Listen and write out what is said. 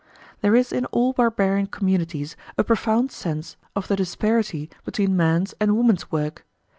There is in all barbarian communities a profound sense of the disparity between man's and woman's work.